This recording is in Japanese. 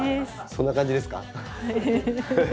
そんな感じですか。